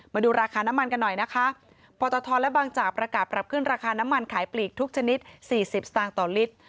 มาดูราคาน้ำมันกันหน่อยนะคะพทและบจปรับขึ้นราคาน้ำมันขายปลีกทุกชนิด๔๐สตลิตร